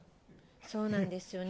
そうなんですよね。